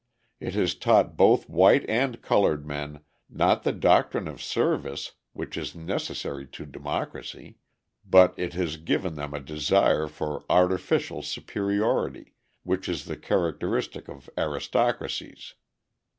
It has taught both white and coloured men, not the doctrine of service, which is necessary to democracy, but it has given them a desire for artificial superiority, which is the characteristic of aristocracies.